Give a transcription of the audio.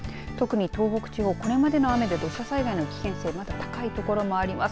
特に東北地方これまでの雨で土砂災害の危険性がまだ高いところもあります。